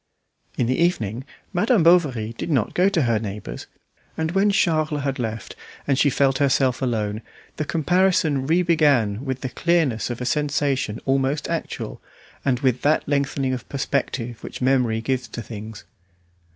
In the evening Madame Bovary did not go to her neighbour's, and when Charles had left and she felt herself alone, the comparison re began with the clearness of a sensation almost actual, and with that lengthening of perspective which memory gives to things.